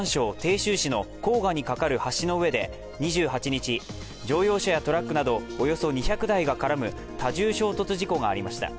鄭州市の黄河にかかる橋の上で２８日乗用車やトラックなどおよそ２００台が絡む多重衝突事故がありました。